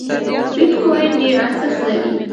بیټ کواین ډېر ارزښت لري